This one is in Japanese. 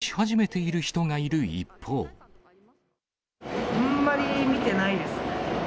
警戒し始めている人がいる一あんまり見てないですね。